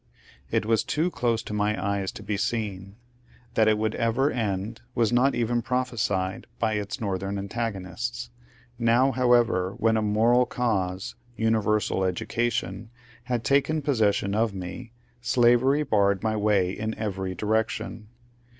It was too dose to my eyes to be seen. That it would ever end was not even prophesied by its Northern antagonists. Now, however, when a moral cause — universal education — had taken pos session of me, slavery barred my way in every direction.